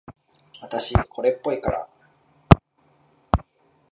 あたし、惚れっぽいから。